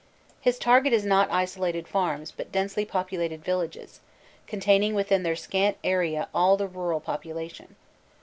His target is not isolated farms but densely populated villages, con taining within their scant area all the rural population.